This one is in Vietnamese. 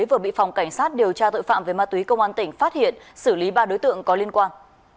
vừa bị phòng cảnh sát điều tra tội phạm về ma túy công an tỉnh phát hiện xử lý ba đối tượng có liên quan